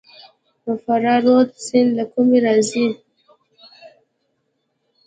فراه رود سیند له کومه راځي؟